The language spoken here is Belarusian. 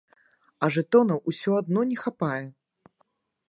А жэтонаў усё адно не хапае.